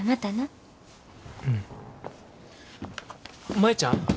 舞ちゃん。